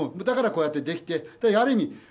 だから、こうやってできてある意味